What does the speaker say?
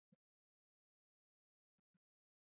Maneno yawe mengi kwa sentensi hizo